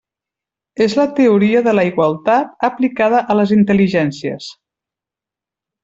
És la teoria de la igualtat aplicada a les intel·ligències.